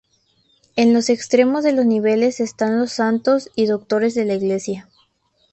En los extremos de los niveles están los santos y doctores de la Iglesia.